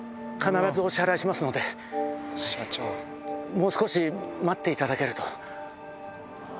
もう少し待っていただけると。